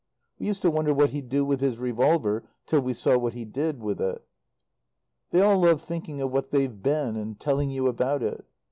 (We used to wonder what he'd do with his revolver till we saw what he did with it.) They all love thinking of what they've been and telling you about it.